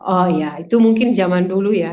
oh ya itu mungkin zaman dulu ya